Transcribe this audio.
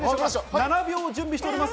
７秒準備しております。